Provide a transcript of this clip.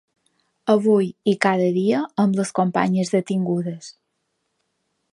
Avui, i cada dia, amb les companyes detingudes.